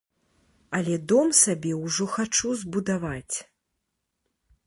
Але дом сабе ўжо хачу збудаваць.